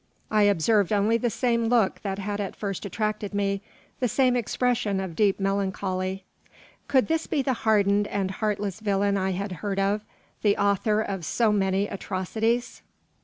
I observed only the same look that had at first attracted me the same expression of deep melancholy. Could this man be the hardened and heartless villain I had heard of, the author of so many atrocities?